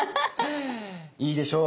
いいでしょう。